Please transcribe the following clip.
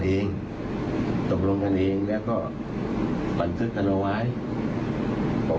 และก็ไม่ได้ยัดเยียดให้ทางครูส้มเซ็นสัญญา